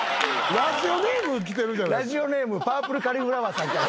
ラジオネームパープルカリフラワーさんから。